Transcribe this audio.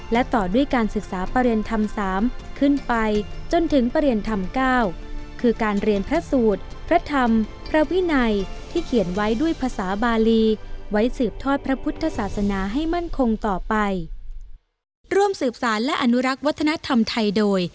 และต่อด้วยการศึกษาประเรียนธรรม๓ขึ้นไปจนถึงประเรียนธรรม๙คือการเรียนพระสูตรพระธรรมพระวินัยที่เขียนไว้ด้วยภาษาบาลีไว้สืบทอดพระพุทธศาสนาให้มั่นคงต่อไป